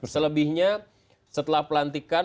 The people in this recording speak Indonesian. selebihnya setelah pelantikan